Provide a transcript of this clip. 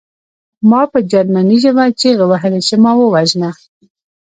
ما په جرمني ژبه چیغې وهلې چې ما ووژنه